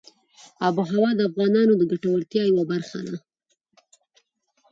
آب وهوا د افغانانو د ګټورتیا یوه برخه ده.